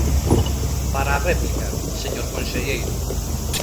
Para a réplica, señor conselleiro.